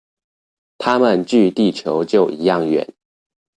它們距地球就一樣遠